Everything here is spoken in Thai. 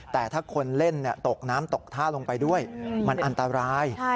แต่ถ้าคนเล่นตกน้ำตกท่าลงไปด้วยมันอันตราย